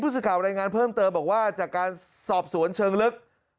สื่อข่าวรายงานเพิ่มเติมบอกว่าจากการสอบสวนเชิงลึก